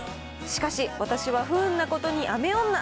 しかし私は不運なことに雨女。